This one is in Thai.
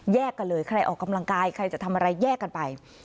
กันเลยใครออกกำลังกายใครจะทำอะไรแยกกันไป